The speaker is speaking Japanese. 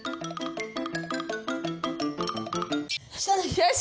よし！